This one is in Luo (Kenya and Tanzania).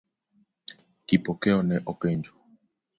Kipokeo ne openjo.